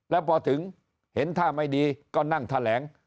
แล้วพอถึงเห็นท่าไม่ดีก็นั่งแถลง